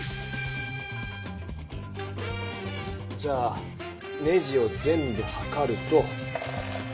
じゃあネジを全部はかると。